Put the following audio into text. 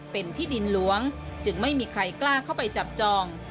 เป็นที่ดินหลวงจึงไม่มีใครกล้าเข้าไปจับจอง